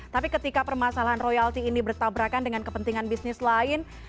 tapi ketika permasalahan royalti ini bertabrakan dengan kepentingan bisnis lain